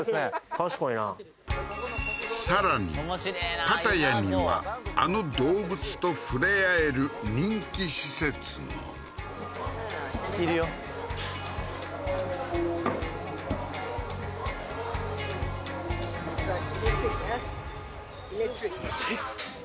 賢いなさらにパタヤにはあの動物と触れ合える人気施設もいるよでっか！